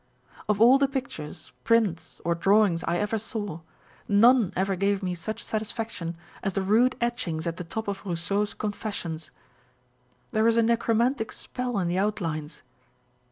Of all the pictures, prints, or drawings I ever saw, none ever gave me such satis faction as the rude etchings at the top of Uousseau's Confessions. There is a necromantic spell in the outlines.